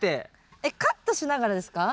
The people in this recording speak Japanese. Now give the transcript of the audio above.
えっカットしながらですか？